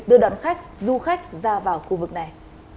đưa đón khách du khách ra vào khu vực này